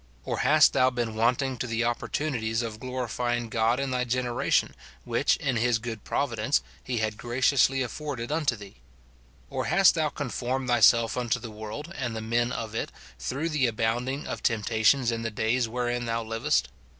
or hast thou been wanting to the opportuni ties of glorifying God in thy generation, which, in his good providence, he had graciously afforded unto thee ? or hast thou conformed thyself unto the world and the men of it, through the abounding of temptations in the days wherein thou livest